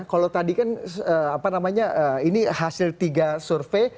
kalau tadi kan ini hasil tiga survei